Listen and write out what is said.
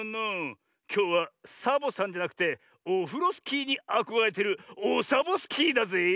きょうはサボさんじゃなくてオフロスキーにあこがれてるオサボスキーだぜえ。